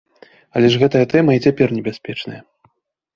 Але ж гэтая тэма і цяпер небяспечная!